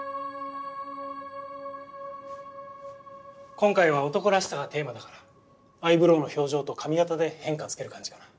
今回は「男らしさ」がテーマだからアイブロウの表情と髪形で変化つける感じかな。